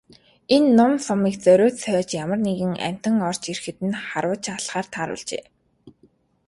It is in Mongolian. Энэ нум сумыг зориуд сойж ямар нэгэн амьтан орж ирэхэд нь харваж алахаар тааруулжээ.